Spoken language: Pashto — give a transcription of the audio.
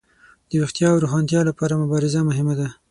د ویښتیا او روښانتیا لپاره مبارزه مهمه وه.